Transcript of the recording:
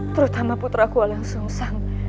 terutama putraku alang sung sang